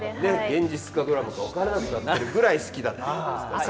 現実かドラマか分からなくなってるぐらい好きだっていうことですね。